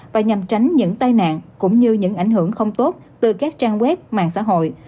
và nhằm tránh những tai nạn cũng như những ảnh hưởng không tốt từ các trang web mạng xã hội